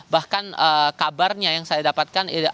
bahkan kabarnya yang saya dapatkan